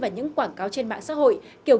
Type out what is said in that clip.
vào những quảng cáo trên mạng xã hội kiểu